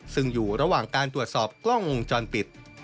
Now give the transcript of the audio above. ซึ่งอยู่ระหว่างการตรวจสอบกล้องวงจรปิด